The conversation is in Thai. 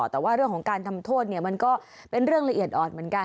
แต่ว่าเรื่องของการทำโทษเนี่ยมันก็เป็นเรื่องละเอียดอ่อนเหมือนกัน